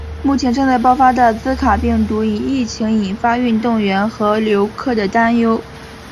目前正在爆发的兹卡病毒疫情引发运动员和游客的担忧。